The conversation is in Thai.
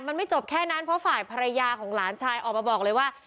มันไม่จบแค่นั้นเพราะฝ่ายภรรยาของหลานชายออกมาบอกเลยว่า